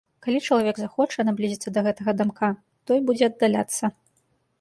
Калі чалавек захоча наблізіцца да гэтага дамка, той будзе аддаляцца.